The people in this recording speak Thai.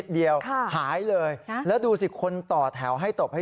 เดียวหายเลยแล้วดูสิคนต่อแถวให้ตบให้